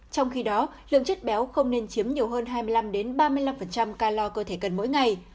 trong khi đó lượng chất béo không nên chiếm nhiều hơn hai mươi năm ba mươi năm ca lo cơ thể cần mỗi ngày